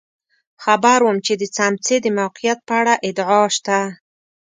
خبر وم چې د څمڅې د موقعیت په اړه ادعا شته.